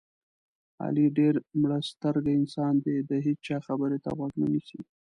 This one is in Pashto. علي ډېر مړسترګی انسان دی دې هېچا خبرې ته غوږ نه نیسي.